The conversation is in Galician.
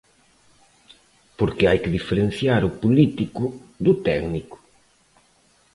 Porque hai que diferenciar o político do técnico.